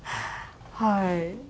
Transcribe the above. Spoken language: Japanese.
はい。